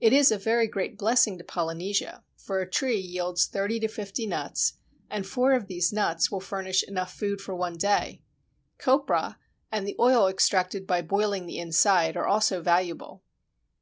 It is a very great blessing to Polynesia, for a tree yields thirty to fifty nuts, and four of these nuts will furnish enough food for one day. Coprah and the oil extracted by boiling the inside are also valuable.